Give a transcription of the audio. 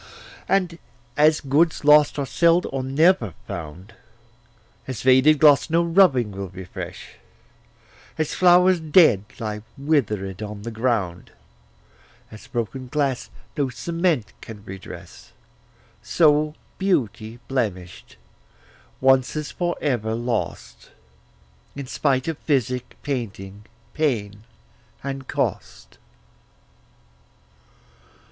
And as goods lost are seld or never found, As vaded gloss no rubbing will refresh, As flowers dead lie wither'd on the ground, As broken glass no cement can redress, So beauty blemish'd once's for ever lost, In spite of physic, painting, pain and cost.